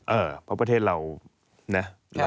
เพราะประเทศเรานะ